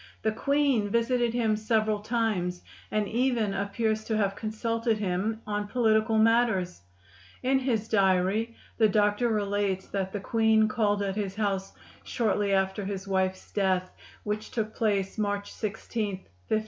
The queen visited him several times, and even appears to have consulted him on political matters. In his diary the doctor relates that the queen called at his house shortly after his wife's death, which took place March 16, 1575.